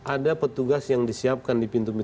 ada petugas yang disiapkan di pintu pintu